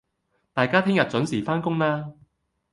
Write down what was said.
大家聽日準時返工喇